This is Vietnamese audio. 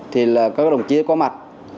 thì các đồng chí có mặt